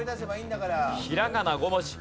平仮名５文字。